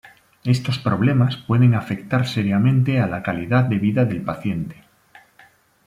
Estos problemas pueden afectar seriamente a la calidad de vida del paciente.